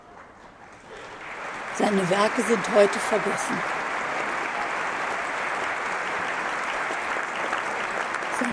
Seine Werke sind heute vergessen.